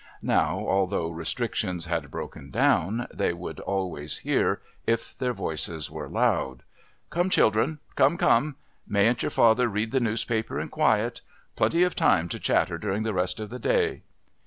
Now, although restrictions had broken down, they would always hear, if their voices were loud: "Come, children...come, come. Mayn't your father read the newspaper in quiet? Plenty of time to chatter during the rest of the day."